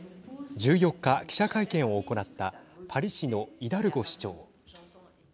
１４日、記者会見を行ったパリ市のイダルゴ市長。